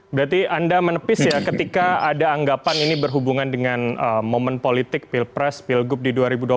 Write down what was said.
berarti anda menepis ya ketika ada anggapan ini berhubungan dengan momen politik pilpres pilgub di dua ribu dua puluh